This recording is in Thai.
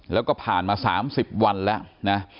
แล้วก็ผ่านมา๓๐วันแล้วนะ